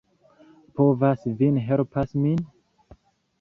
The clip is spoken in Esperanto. Povas vin helpas min?